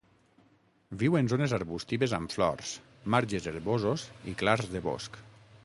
Viu en zones arbustives amb flors, marges herbosos i clars de bosc.